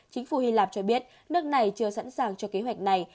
chính phủ hy lạp cho biết nước này chưa sẵn sàng cho kế hoạch này